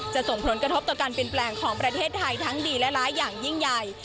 ส่งผลกระทบต่อการเปลี่ยนแปลงของประเทศไทยทั้งดีและร้ายอย่างยิ่งใหญ่